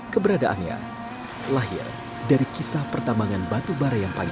keberadaannya lahir dari kisah pertambangan batubara yang panjang